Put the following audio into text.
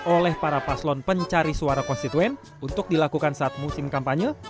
oleh para paslon pencari suara konstituen untuk dilakukan saat musim kampanye